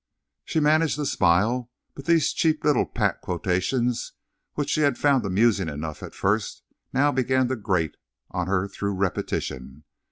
She managed to smile, but these cheap little pat quotations which she had found amusing enough at first now began to grate on her through repetition.